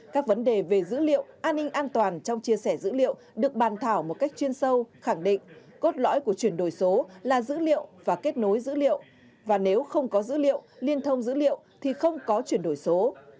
các vấn đề về dữ liệu an ninh an toàn trong chia sẻ dữ liệu được bàn thảo một cách chuyên sâu khẳng định cốt lõi của chuyển đổi số là dữ liệu và kết nối dữ liệu và nếu không có dữ liệu liên thông dữ liệu thì không có chuyển đổi số